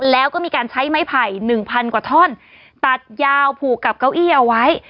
แล้วก็มีการใช้ไม้ไผ่หนึ่งพันกว่าท่อนตัดยาวผูกกับเก้าอี้เอาไว้